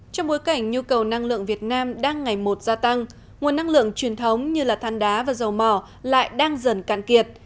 trong bối cảnh nhu cầu năng lượng việt nam đang ngày một gia tăng nguồn năng lượng truyền thống như than đá và dầu mỏ lại đang dần cạn kiệt